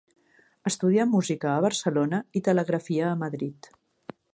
Estudià música a Barcelona i telegrafia a Madrid.